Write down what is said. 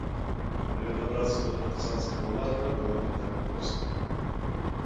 Але дабрацца да партызанскага лагера было не так проста.